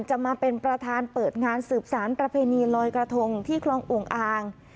จะมาเป็นประธานเปิดงานสืบสารประเพณีลอยกระทงที่คลองโอ่งอ่าง